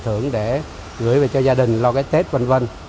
thưởng để gửi về cho gia đình lo cái tết vân vân